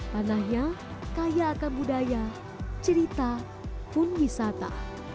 tanahnya kaya akan budaya cerita pun wisata